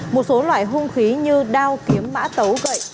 một số loại hung khí như đao kiếm mã tấu gậy